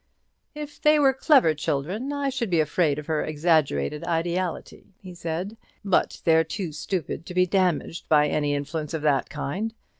"If they were clever children, I should be afraid of her exaggerated ideality," he said; "but they're too stupid to be damaged by any influence of that kind.